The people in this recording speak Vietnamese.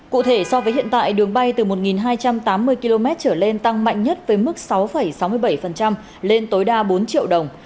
cụ thể so với hiện tại đường bay từ một hai trăm tám mươi km trở lên tăng mạnh nhất với mức sáu sáu mươi bảy lên tối đa bốn triệu đồng